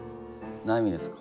悩みですか？